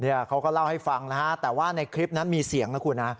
เดี๋ยวเขาก็เล่าให้ฟังนะครับแต่ว่าในคลิปนั้นมีเสียงนะครับคุณ